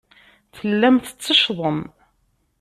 Tellam tetteccḍem.